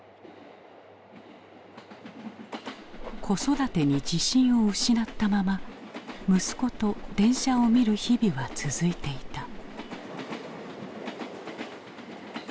子育てに自信を失ったまま息子と電車を見る日々は続いていた。